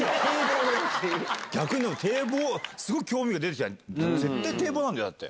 逆にすごく興味が出てきた絶対堤防なんだよだって。